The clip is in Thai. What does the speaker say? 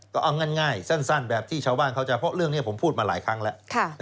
ก็เอาง่ายสั้นแบบที่ชาวบ้านเข้าใจเพราะเรื่องนี้ผมพูดมาหลายครั้งแล้ว